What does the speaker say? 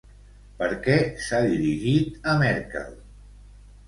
Per què s'ha dirigit a Merkel?